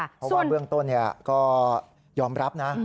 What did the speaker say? เพราะว่าเบื้องต้นก็ยอมรับนะ